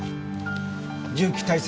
銃器対策